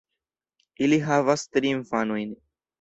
Ili havas tri infanojn.